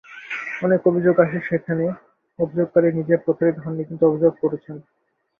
অনেক অভিযোগ আসে যেখানে অভিযোগকারী নিজে প্রতারিত হননি, কিন্তু অভিযোগ করছেন।